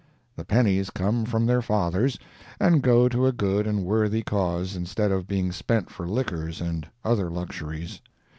The pennies come from their fathers, and go to a good and worthy cause, instead of being spent for liquors and other luxuries.